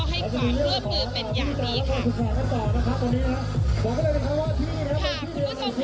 ขอบคุณครับ